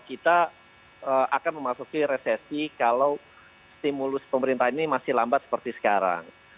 kita akan memasuki resesi kalau stimulus pemerintah ini masih lambat seperti sekarang